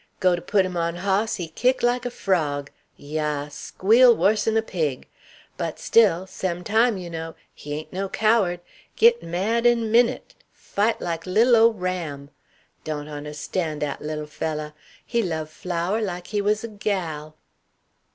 Go to put him on hoss, he kick like a frog. Yass; squeal wuss'n a pig. But still, sem time, you know, he ain't no coward; git mad in minute; fight like little ole ram. Dawn't ondstand dat little fellah; he love flower' like he was a gal."